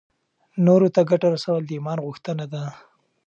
نورو ته ګټه رسول د ایمان غوښتنه ده.